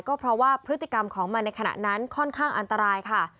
ก็เพราะว่าพฤติกรรมของมันในขณะนั้นค่อนข้างอันตรายค่ะ